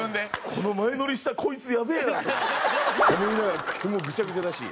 この前乗りしたこいつやべえなと思いながらグチャグチャだし。